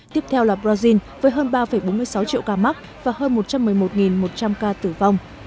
tiếp theo là brazil với hơn ba bốn mươi sáu triệu ca mắc và hơn một trăm một mươi một một trăm linh ca tử vong